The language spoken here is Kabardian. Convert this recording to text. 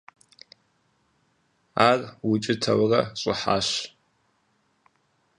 Ар укӀытэурэ щӀыхьащ.